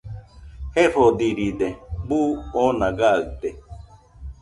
Jefodiride, buu oona gaɨte